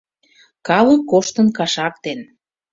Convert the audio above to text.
Калык коштын кашак ден